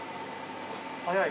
早い。